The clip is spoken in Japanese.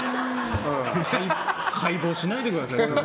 解剖しないでください。